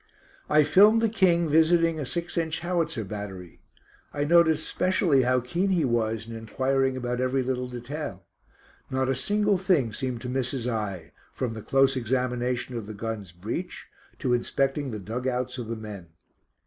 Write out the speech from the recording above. I filmed the King visiting a 6 inch Howitzer Battery. I noticed specially how keen he was in enquiring about every little detail. Not a single thing seemed to miss his eye, from the close examination of the gun's breech, to inspecting the dug outs of the men.